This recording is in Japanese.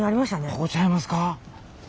ここちゃいますか。